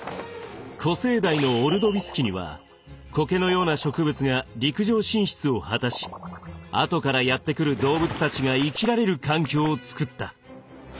古生代のオルドビス紀にはコケのような植物が陸上進出を果たし後からやって来る動物たちが生きられる環境を作った。